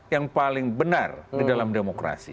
yang paling benar di dalam demokrasi